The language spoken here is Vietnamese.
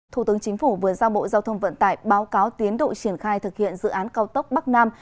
thủ tướng chính phủ vừa giao bộ giao thông vận tải báo cáo tiến độ triển khai thực hiện dự án cao tốc bắc nam